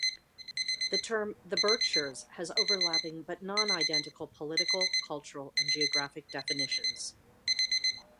The term "The Berkshires" has overlapping but non-identical political, cultural, and geographic definitions.